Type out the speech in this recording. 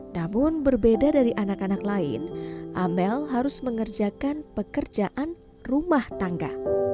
namun berbeda dari anak anak lain amel harus mengerjakan pekerjaan rumah tangga